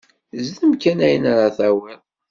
Zdem kan, ayen ara tawiḍ!